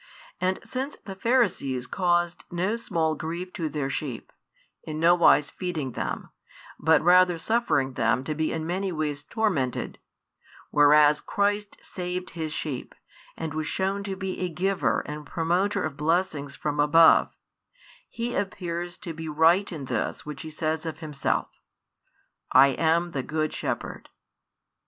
And since the Pharisees caused no small grief to their sheep, in no wise feeding them, but rather suffering them to be in many ways tormented, whereas Christ saved His sheep and was shown to be a giver and promoter of blessings from above, He appears to be right in this which He says of Himself: I am the Good Shepherd.